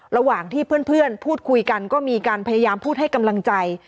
ระหว่างที่เพื่อนพูดคุยกันก็มีการพยายามพูดให้กำลังใจ